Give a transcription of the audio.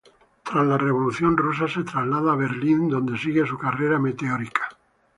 Tras la Revolución rusa se traslada a Berlín, donde sigue su carrera meteórica.